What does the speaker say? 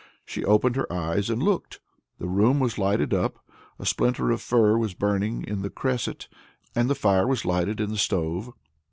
She opened her eyes and looked. The room was lighted up. A splinter of fir was burning in the cresset, and the fire was lighted in the stove.